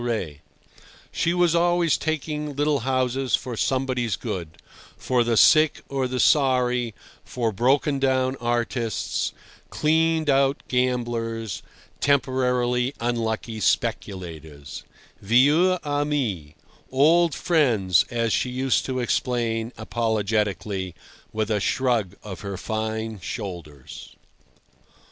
She was always taking little houses for somebody's good, for the sick or the sorry, for broken down artists, cleaned out gamblers, temporarily unlucky speculators—vieux amis—old friends, as she used to explain apologetically, with a shrug of her fine shoulders.